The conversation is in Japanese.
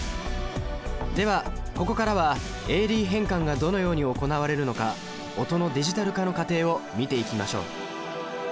ではここからはＡ／Ｄ変換がどのように行われるのか音のディジタル化の過程を見ていきましょう